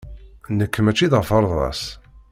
Nekk maci d aferḍas.